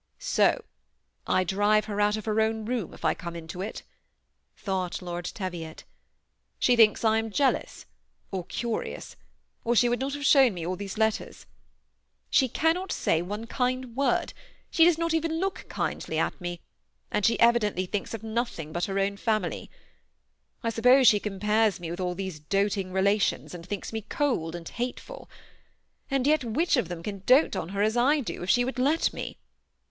" So ! I drive her out of her own room, if I come into it," thought Lord Teviot. " She thinks I am jealous, or curious, or she would not have shown me all these letters. She cannot say one kind word ; she does not even look kindly at me, and she evidently thinks of nothing but her own family. I suppose she compares me with all these doting relations, and thinks me cold and hateful ; and yet which of them can dote on her as I do if she would let me